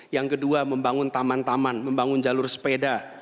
yang kedua membangun taman taman membangun jalur sepeda